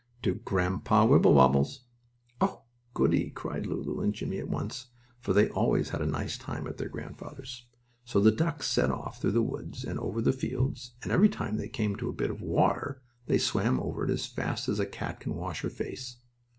"To Grandpa Wibblewobble's." "Oh, goody!" cried Lulu and Jimmie at once, for they always had a nice time at their grandfather's. So the ducks set off through the woods and over the fields, and every time they came to a bit of water they swam over it as fast as a cat can wash her face.